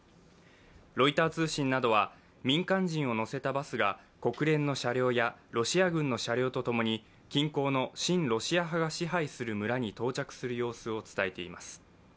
ロイター通信などは民間人を乗せたバスが国連の車両やロシア軍の車両と共に近郊の親ロシア派が支配する村に到着する様子を伝えています。